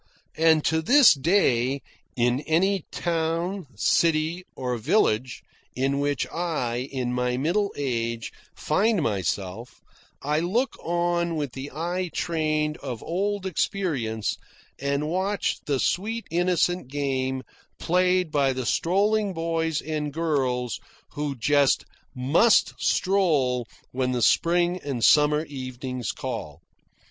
(And to this day, in any town, city, or village, in which I, in my middle age, find myself, I look on with the eye trained of old experience, and watch the sweet innocent game played by the strolling boys and girls who just must stroll when the spring and summer evenings call.)